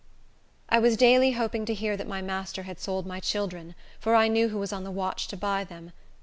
I was daily hoping to hear that my master had sold my children; for I knew who was on the watch to buy them.